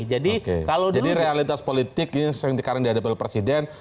jadi realitas politik yang sekarang dihadapi oleh presiden